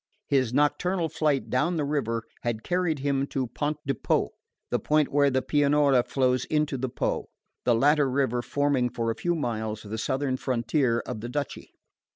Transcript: His nocturnal flight down the river had carried him to Ponte di Po, the point where the Piana flows into the Po, the latter river forming for a few miles the southern frontier of the duchy.